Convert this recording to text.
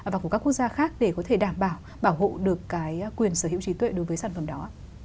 và của các quốc gia khác để có thể đảm bảo bảo hộ được cái quyền sở hữu trí tuệ đối với sản phẩm đó